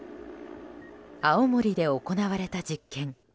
青森で行われた実験。